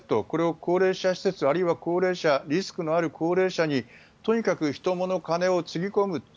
これを高齢者施設あるいはリスクのある高齢者にとにかく人、もの、金をつぎ込む。